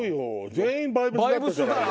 全員バイブスだったじゃないよ。